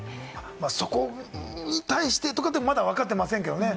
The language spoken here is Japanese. そこに対してとかっていうのもまだわかってませんけれどもね。